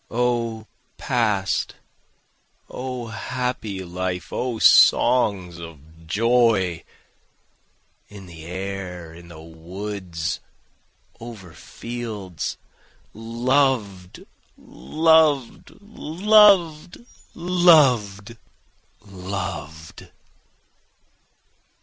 O past! O happy life! O songs of joy! In the air, in the woods, over fields, Loved! loved! loved! loved! loved!